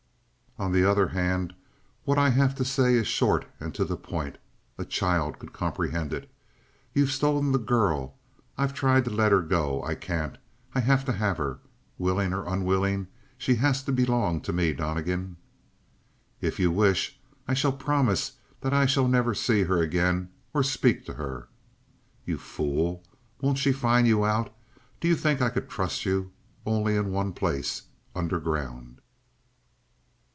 "On the other hand, what I have to say is short and to the point. A child could comprehend it. You've stolen the girl. I tried to let her go. I can't. I have to have her. Willing or unwilling she has to belong to me, Donnegan." "If you wish, I shall promise that I shall never see her again or speak to her." "You fool' Won't she find you out? Do you think I could trust you? Only in one place underground."